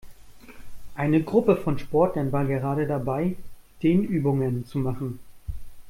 Eine Gruppe von Sportlern war gerade dabei, Dehnübungen zu machen.